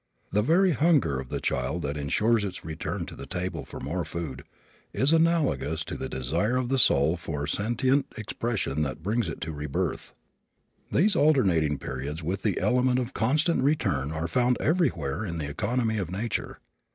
The very hunger of the child that insures its return to the table for more food is analogous to the desire of the soul for sentient expression that brings it to rebirth. These alternating periods with the element of constant return are found everywhere in the economy of nature.